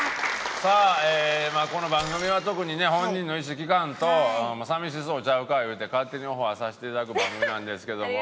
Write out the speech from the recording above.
さあこの番組は特にね本人の意思聞かんと寂しそうちゃうか言うて勝手にオファーさせていただく番組なんですけども。